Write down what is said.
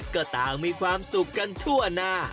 ก็ต่างมีความสุขกันทั่วหน้า